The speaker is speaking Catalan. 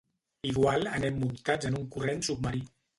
Igual anem muntats en un corrent submarí.